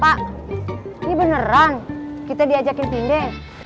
pak ini beneran kita diajakin pinde